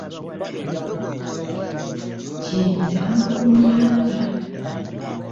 Gye mirambo ku nnyanja.